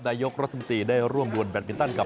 นายกรธมตีได้ร่วมรวมแบตเบตตั้นกับ